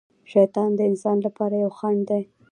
شیطان د انسان لپاره یو خڼډ دی.